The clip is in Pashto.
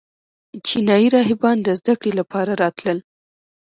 چینایي راهبان د زده کړې لپاره راتلل